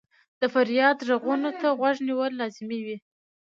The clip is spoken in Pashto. د فریاد ږغونو ته غوږ نیول لازمي وي.